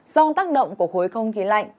do tác động của khối không khí lạnh